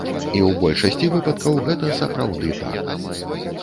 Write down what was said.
І ў большасці выпадкаў гэта сапраўды так.